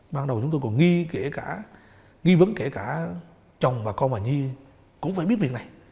ban đầu chúng tôi còn nghe kể cả nghi vấn kể cả chồng và con bà nhi cũng phải biết việc này